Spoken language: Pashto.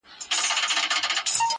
• د دوی ادارې څو تنو ته -